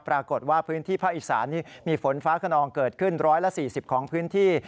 ปรากฏว่าพื้นที่ภาคอีสานนี้มีฝนฟ้าขนองเกิดขึ้น๑๔๐ของพื้นที่